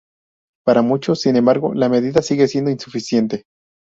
Para muchos, sin embargo, la medida sigue siendo insuficiente.